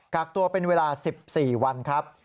กักตัวเป็นเวลา๑๔วันครับ